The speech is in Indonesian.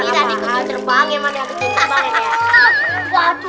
kita dikecilin banget kita dikecilin banget